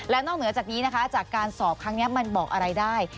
นอกเหนือจากนี้นะคะจากการสอบครั้งนี้มันบอกอะไรได้